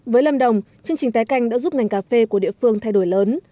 với lâm đồng chương trình tái canh đã giúp ngành cà phê của địa phương thay đổi lớn